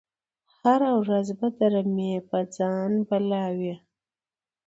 هره ورځ به د رمی په ځان بلا وي